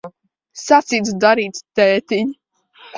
Sacīts, darīts, tētiņ.